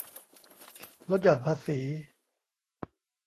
ลดหย่อนภาษี